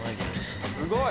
すごい。